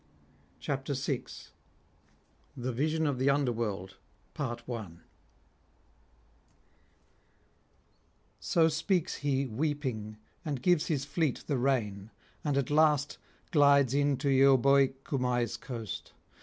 BOOK SIXTH THE VISION OF THE UNDER WORLD So speaks he weeping, and gives his fleet the rein, and at last glides in to Euboïc Cumae's coast.